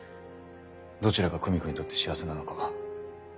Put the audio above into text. どちらが久美子にとって幸せなのか。